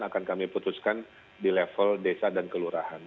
akan kami putuskan di level desa dan kelurahan